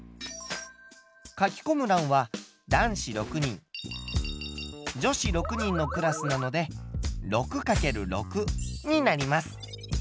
書きこむらんは男子６人女子６人のクラスなので６×６になります。